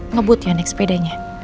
ngebut ya next pedenya